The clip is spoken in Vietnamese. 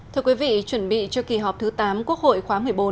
thưa quý vị chuẩn bị cho kỳ họp thứ tám quốc hội khóa một mươi bốn